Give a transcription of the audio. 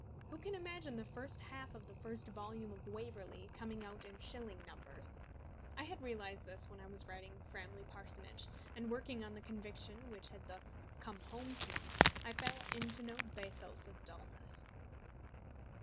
Who can imagine the first half of the first volume of Waverley coming out in shilling numbers? I had realised this when I was writing Framley Parsonage; and working on the conviction which had thus come home to me, I fell into no bathos of dulness.